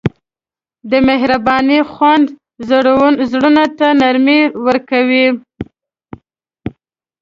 د مهربانۍ خوند زړونو ته نرمي ورکوي.